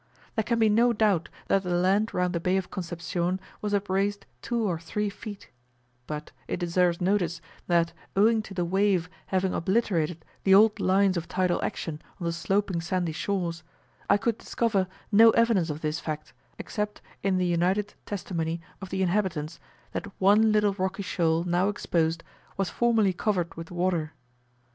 There can be no doubt that the land round the Bay of Concepcion was upraised two or three feet; but it deserves notice, that owing to the wave having obliterated the old lines of tidal action on the sloping sandy shores, I could discover no evidence of this fact, except in the united testimony of the inhabitants, that one little rocky shoal, now exposed, was formerly covered with water.